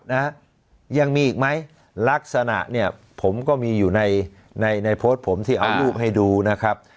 นะฮะยังมีอีกไหมลักษณะเนี่ยผมก็มีอยู่ในในในโพสต์ผมที่เอารูปให้ดูนะครับ